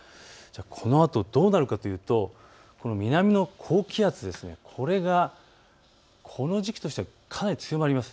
このあとどうなるかというと南の高気圧、これが、この時期としてはかなり強まります。